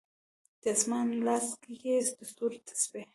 د اسمان لاس کې یې د ستورو تسبې